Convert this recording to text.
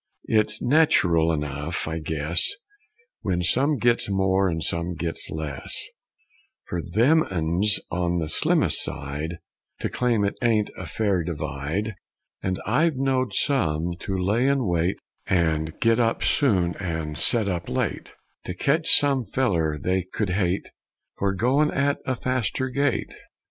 It's natchurl enugh, I guess, When some gits more and some gits less, Fer them uns on the slimmest side To claim it ain't a fare divide; And I've knowed some to lay and wait, And git up soon, and set up late, To ketch some feller they could hate For goin' at a faster gait.